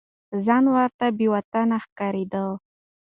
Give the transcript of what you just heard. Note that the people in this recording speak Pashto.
ځان ورته بې وطنه ښکارېده.